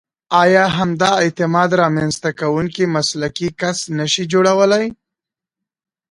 او یا هم د اعتماد رامنځته کوونکی مسلکي کس نشئ جوړولای.